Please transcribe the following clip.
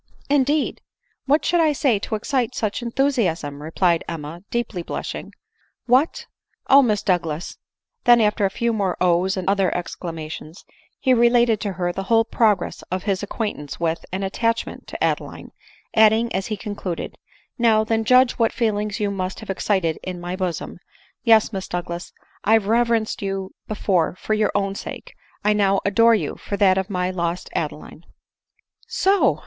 " Indeed !— What could I say to excite such enthu siasm ?" replied Emma, deeply blushing. " What !— Oh, Miss Douglas !" Then after a few more ohs, and other exclamations, he related to her the whole progress of his acquaintance with, and attachment to Adeline, adding as he concluded, "Now then judge what feelings you must have excited in my bosom ; yes, Miss s Douglas, I reverenced you before for your own sake, I now adore you for that of my lost Adeline." " So